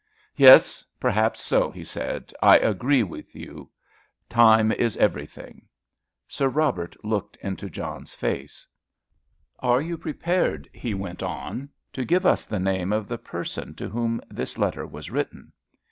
"Yes, perhaps so," he said; "I agree with you, time is everything." Sir Robert looked into John's face. "Are you prepared," he went on, "to give us the name of the person to whom this letter was written?"